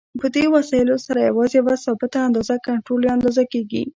په دې وسایلو سره یوازې یوه ثابته اندازه کنټرول یا اندازه کېږي.